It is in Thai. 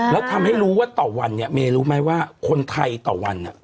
แล้วทำให้รู้ว่าต่อวันเนี่ยเมย์รู้ไหมว่าคนไทยต่อวัน